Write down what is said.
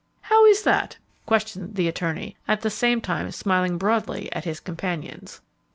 "How is that?" questioned the attorney, at the same time smiling broadly at his companions.